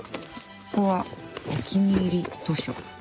ここはお気に入り図書！